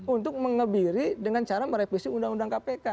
untuk mengebiri dengan cara merevisi undang undang kpk